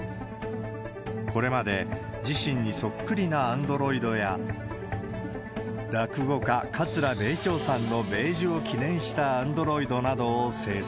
これまで、自身にそっくりなアンドロイドや、落語家、桂米朝さんの米寿を記念したアンドロイドなどを制作。